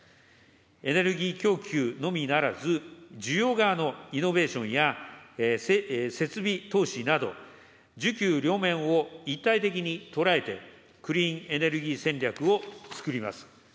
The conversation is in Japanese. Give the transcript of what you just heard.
エネルギー供給のみならず、需要側のイノベーションや設備投資など、需給両面を一体的に捉えてクリーンエネルギー戦略をつくります。